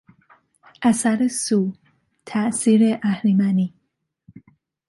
اثر سو، تاثیر اهریمنی